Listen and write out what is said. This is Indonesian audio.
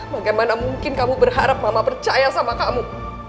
bagaimana mungkin kamu berharap mama percaya sama kamu